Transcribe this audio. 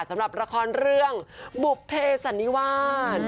สำหรับละครเรื่องบุภเพสันนิวาส